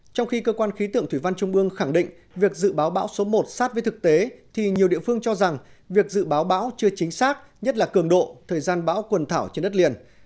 trong khi cơ quan khí tượng thủy văn trung ương khẳng định việc dự báo bão số một sát với thực tế thì nhiều địa phương cho rằng việc dự báo bão chưa chính xác nhất là cường độ thời gian bão quần thảo trên đất liền